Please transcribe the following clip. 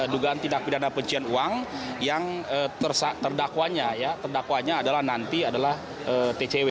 dugaan tindak pidana pencucian uang yang terdakwanya ya terdakwanya adalah nanti adalah tcw